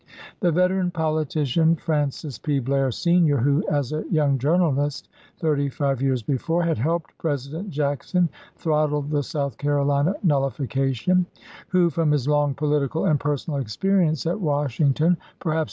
The veteran politician, Francis P. Blair, Sr., who, as a young journalist, thirty five years before, had helped President Jackson throttle the South Carolina nullification ; who, from his long political and personal experience at Washington, perhaps Dec.